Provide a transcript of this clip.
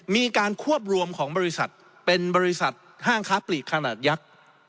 มีการควบรวมของบริษัทเป็นบริษัทห้างค้าปลีกขนาดยักษ์